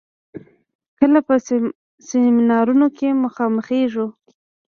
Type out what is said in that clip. کله په سيمينارونو کې مخامخېږو.